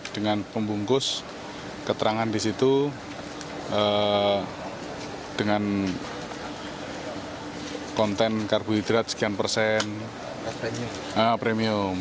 dengan pembungkus keterangan di situ dengan konten karbohidrat sekian persen premium